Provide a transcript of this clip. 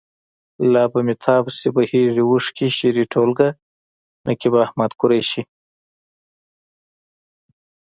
لا به مې تا پسې بهیږي اوښکې. شعري ټولګه. نقيب احمد قریشي.